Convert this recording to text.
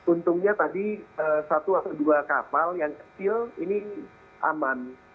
untungnya tadi satu atau dua kapal yang kecil ini aman